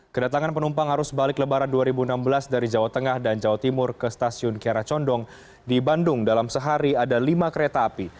kedatangan penumpang harus balik lebaran dua ribu enam belas dari jawa tengah dan jawa timur ke stasiun kiara condong di bandung dalam sehari ada lima kereta api